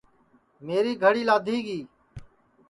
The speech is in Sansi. میری گھڑی لادھی گی